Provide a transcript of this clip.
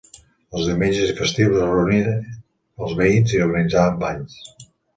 Els diumenges i festius es reunien els veïns i organitzaven balls.